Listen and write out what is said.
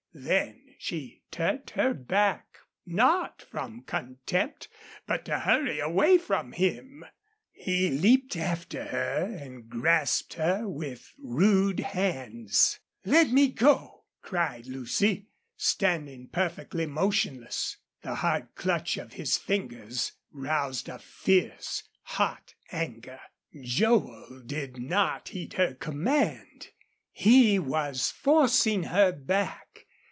Then she turned her back, not from contempt, but to hurry away from him. He leaped after her and grasped her with rude hands. "Let me go!" cried Lucy, standing perfectly motionless. The hard clutch of his fingers roused a fierce, hot anger. Joel did not heed her command. He was forcing her back.